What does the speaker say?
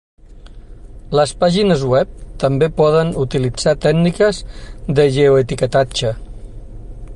Les pàgines web també poden utilitzar tècniques de geoetiquetatge.